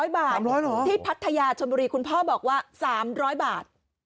๐บาทที่พัทยาชนบุรีคุณพ่อบอกว่า๓๐๐บาท